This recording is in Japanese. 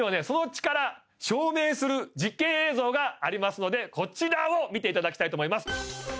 その力証明する実験映像がありますのでこちらを見ていただきたいと思います